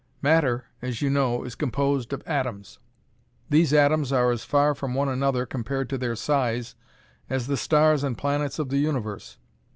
"Matter, as you know, is composed of atoms. These atoms are as far from one another, compared to their size, as the stars and planets of the universe.